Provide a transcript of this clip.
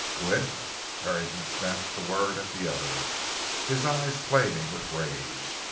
"Quit?" Carrington snapped the word at the other, his eyes flaming with rage.